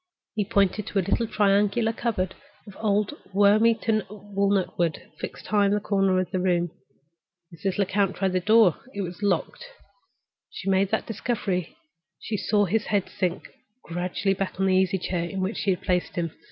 He pointed to a little triangular cupboard of old worm eaten walnut wood fixed high in a corner of the room. Mrs. Lecount tried the door: it was locked. As she made that discovery, she saw his head sink back gradually on the easy chair in which she had placed him.